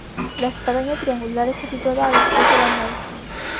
La espadaña triangular está situada a los pies de la nave.